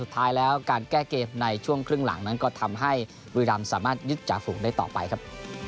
ท้ายแล้วการแก้เกมในช่วงครึ่งหลังนั้นก็ทำให้บุรีรำสามารถยึดจ่าฝูงได้ต่อไปครับ